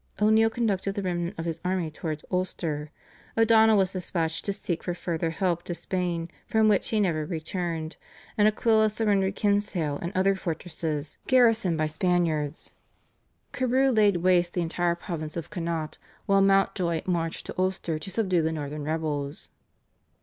O'Neill conducted the remnant of his army towards Ulster; O'Donnell was dispatched to seek for further help to Spain from which he never returned, and Aquila surrendered Kinsale and other fortresses garrisoned by Spaniards. Carew laid waste the entire province of Connaught, while Mountjoy marched to Ulster to subdue the Northern rebels.